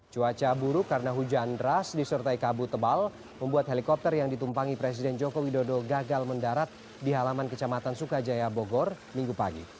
cuaca buruk karena hujan deras disertai kabut tebal membuat helikopter yang ditumpangi presiden joko widodo gagal mendarat di halaman kecamatan sukajaya bogor minggu pagi